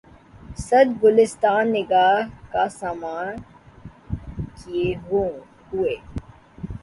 صد گلستاں نِگاه کا ساماں کئے ہوے